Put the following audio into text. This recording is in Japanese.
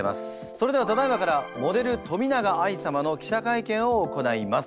それではただいまからモデル冨永愛様の記者会見を行います。